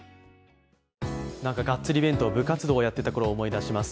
なんかがっつり弁当、部活動をやっていたことを思い出します。